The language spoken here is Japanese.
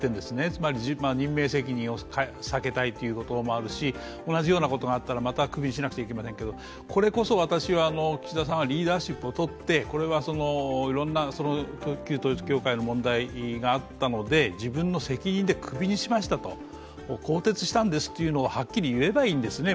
つまり任命責任を避けたいということもあるし同じようなことがあったらまたクビにしなくちゃいけませんけどこれこそ私は岸田さんがリーダーシップをとってこれはいろんな旧統一教会の問題があったので自分の責任でクビにしましたと、更迭したんですというのをはっきり言えばいいんですね。